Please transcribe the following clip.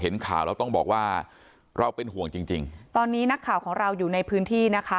เห็นข่าวแล้วต้องบอกว่าเราเป็นห่วงจริงจริงตอนนี้นักข่าวของเราอยู่ในพื้นที่นะคะ